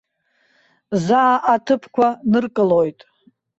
Заа аҭыԥқәа ныркылоит.